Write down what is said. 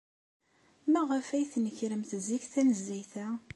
Maɣef ay d-tnekremt zik tanezzayt-a?